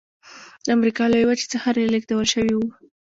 د امریکا لویې وچې څخه رالېږدول شوي وو.